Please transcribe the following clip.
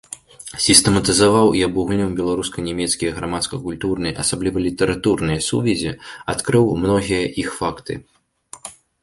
Сістэматызаваў і абагульніў беларуска-нямецкія грамадска-культурныя, асабліва літаратурныя сувязі, адкрыў многія іх факты.